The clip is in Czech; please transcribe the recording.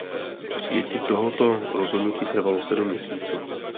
Přijetí tohoto rozhodnutí trvalo sedm měsíců.